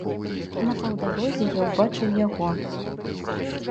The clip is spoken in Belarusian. На паўдарозе я ўбачыў яго.